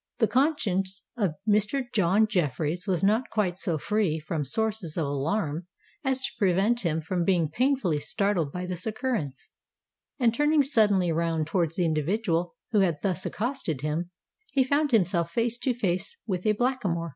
The conscience of Mr. John Jeffreys was not quite so free from sources of alarm as to prevent him from being painfully startled by this occurrence; and turning suddenly round towards the individual who had thus accosted him, he found himself face to face with a blackamoor.